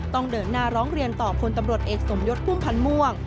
เดินหน้าร้องเรียนต่อพลตำรวจเอกสมยศพุ่มพันธ์ม่วง